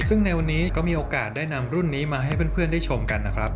ซึ่งในวันนี้ก็มีโอกาสได้นำรุ่นนี้มาให้เพื่อนได้ชมกันนะครับ